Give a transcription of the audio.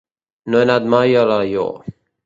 No he anat mai a Alaior.